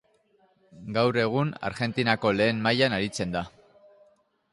Gaur egun Argentinako Lehen Mailan aritzen da.